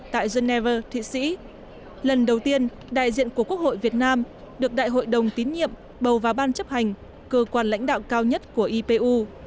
tại geneva thụy sĩ lần đầu tiên đại diện của quốc hội việt nam được đại hội đồng tín nhiệm bầu vào ban chấp hành cơ quan lãnh đạo cao nhất của ipu